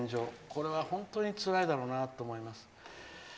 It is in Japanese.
これは本当につらいだろうなと思います。